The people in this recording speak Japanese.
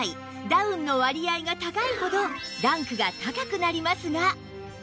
ダウンの割合が高いほどランクが高くなりますが